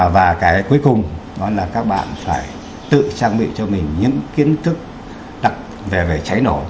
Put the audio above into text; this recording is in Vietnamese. và cái cuối cùng đó là các bạn phải tự trang bị cho mình những kiến thức đặt về cháy nổ